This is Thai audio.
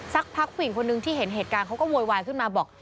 สักพักผู้หญิงคนนึงที่เห็นเหตุการณ์เขาก็โวยวายขึ้นมาบอก